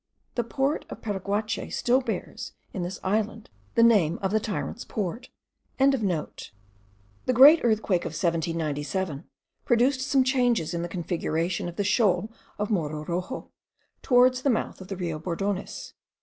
The port of Paraguache still bears, in this island, the name of the Tyrant's Port.) The great earthquake of 1797 produced some changes in the configuration of the shoal of Morro Roxo, towards the mouth of the Rio Bordones.